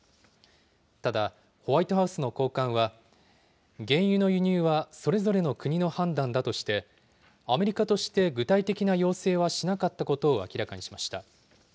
ただ、ホワイトハウスの高官は、原油の輸入はそれぞれの国の判断だとして、アメリカとして具体的な要請はしなかったことを明らかにしました。